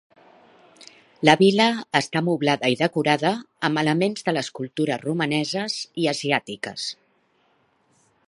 La vil·la està moblada i decorada amb elements de les cultures romaneses i asiàtiques.